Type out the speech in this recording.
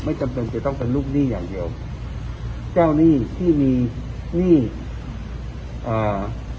จำเป็นจะต้องเป็นลูกหนี้อย่างเดียวเจ้าหนี้ที่มีหนี้อ่า